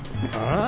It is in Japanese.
ああ。